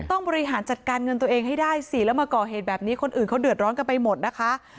ต้องบริหารจัดการเงินตัวเองให้ได้สิแล้วมาก่อเหตุแบบนี้คนอื่นเขาเดือดร้อนกันไปหมดนะคะ